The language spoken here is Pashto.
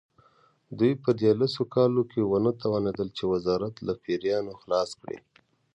دوی په دې لسو کالو کې ونه توانېدل چې وزارت له پیریانو خلاص کړي.